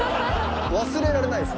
忘れられないです